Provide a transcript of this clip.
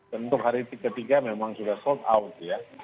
tentu hari ketiga memang sudah sold out ya